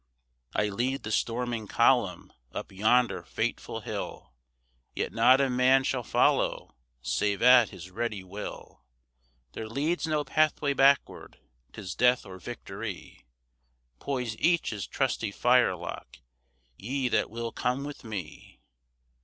"I lead the storming column up yonder fateful hill, Yet not a man shall follow save at his ready will! There leads no pathway backward 'tis death or victory! Poise each his trusty firelock, ye that will come with me!"